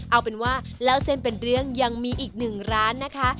เอาเป็นว่าเล่าเส้นเป็นเรื่องยังมีอีกหนึ่งร้านนะคะ